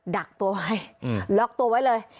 ดักตัวไว้ล็อกตัวไว้เลย